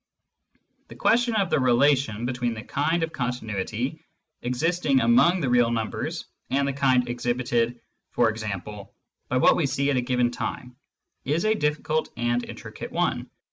The question of the relation between the kind of continuity existing among the real numbers and the kind ex hibited, e.g. by what we see at a given time, is a difficult and intricate one.